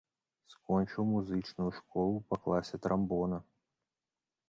Скончыў музычную школу па класе трамбона.